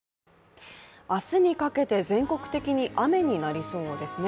明日にかけて、全国的に雨になりそうですね。